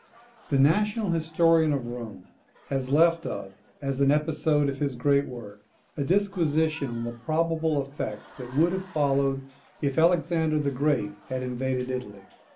The national historian of Rome has left us, as an episode of his great work, a disquisition on the probable effects that would have followed, if Alexander the Great had invaded Italy.